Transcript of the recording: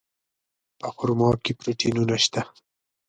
په خرما کې پروټینونه شته.